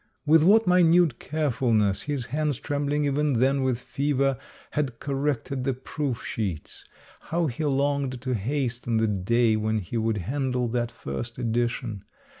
With what minute carefulness his hands, trembling even then with fever, had cor rected the proof sheets. How he longed to hasten the day when he would handle that first edition